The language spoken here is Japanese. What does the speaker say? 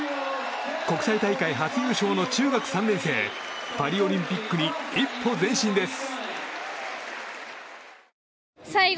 国際大会初優勝の中学３年生パリオリンピックに一歩前進です。